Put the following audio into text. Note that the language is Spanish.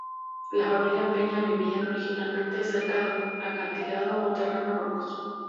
La familia Peña vivían, originalmente, cerca de un acantilado o terreno rocoso.